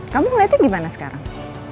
kamu ngeliatin gimana sekarang